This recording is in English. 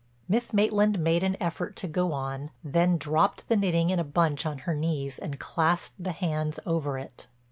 Miss Maitland made an effort to go on, then dropped the knitting in a bunch on her knees and clasped the hands over it.